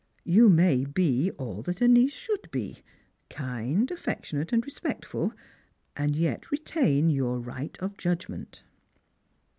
"You may be all that a niece should be — kind, affectionate, and respectful— and yet retain your right of judg ment."